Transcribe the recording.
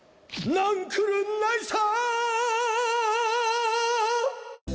なんくるないさ！